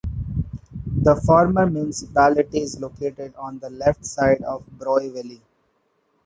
The former municipality is located on the left side of the Broye valley.